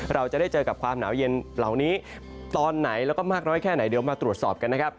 เราจะได้เจอกับความหนาวเย็นเหล่านี้ตอนไหนแล้วก็มากน้อยแค่ไหนเดี๋ยวมาตรวจสอบกันนะครับ